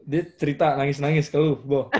dia cerita nangis nangis ke lu